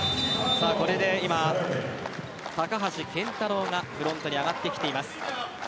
これで今、高橋健太郎がフロントに上がってきています。